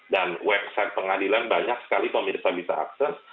dan website pengadilan banyak sekali pemirsa bisa akses